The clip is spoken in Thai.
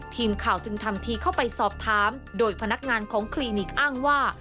ทีมข่าวจึงทำทีเข้าไปสอบถามโดยพนักงานของคลินิกอ้างว่า